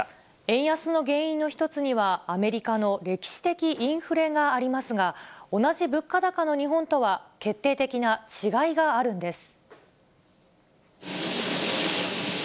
円安の原因の一つには、アメリカの歴史的インフレがありますが、同じ物価高の日本とは、決定的な違いがあるんです。